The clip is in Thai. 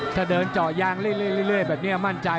ถ้าเดินเจาะยางเรื่อยเรื่อยเรื่อยแบบเนี่ยมั่นใจ